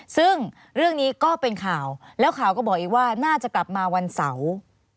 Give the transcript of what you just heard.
ซึ่งเรื่องนี้ก็เป็นข่าวแล้วข่าวก็บอกอีกว่าน่าจะกลับมาวันเสาร์